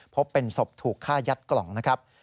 พบเป็นศพถูกฆ่ายัดกล่องนะครับ